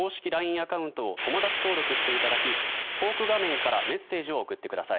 アカウントを友だち登録していただきトーク画面からメッセージを送ってください。